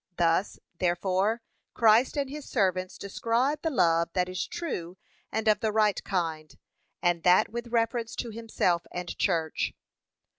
Thus, therefore, Christ and his servants describe the love that is true and of the right kind, and that with reference to himself and church.